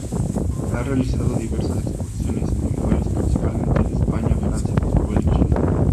Ha realizado diversas exposiciones individuales, principalmente en España, Francia, Portugal y China.